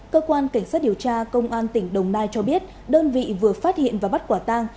cơ quan cảnh sát điều tra công an tỉnh đồng nai cho biết đơn vị vừa phát hiện và bắt quả tang